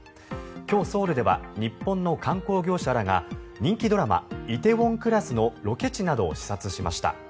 今日、ソウルでは日本の観光業者らが人気ドラマ「梨泰院クラス」のロケ地などを観光しました。